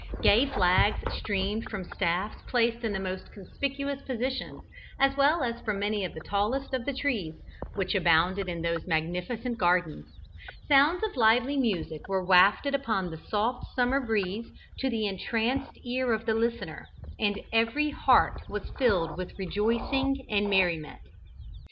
Gay flags streamed from staffs placed in the most conspicuous positions as well as from many of the tallest of the trees which abounded in those magnificent gardens; sounds of lively music were wafted upon the soft summer breeze to the entranced ear of the listener; and every heart was filled with rejoicing and merriment.